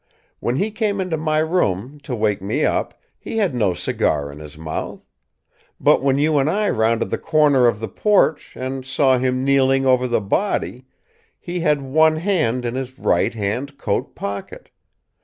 When he came into my room, to wake me up, he had no cigar in his mouth. But, when you and I rounded the corner of the porch and first saw him kneeling over the body, he had one hand in his right hand coat pocket.